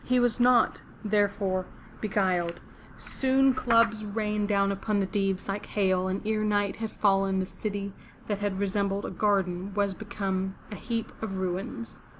He was not, therefore, beguiled. Soon clubs rained 443 MY BOOK HOUSE down upon the Deevs like hail and ere night had fallen the city that had resembled a garden was become a heap of ruins.